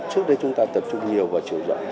trước đây chúng ta tập trung nhiều vào chiều rộng